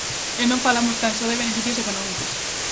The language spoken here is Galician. E non falamos tan só de beneficios económicos.